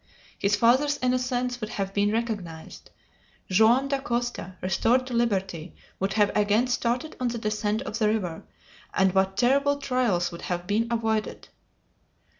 His father's innocence would have been recognized! Joam Dacosta, restored to liberty, would have again started on the descent of the river, and what terrible trials would have been avoided!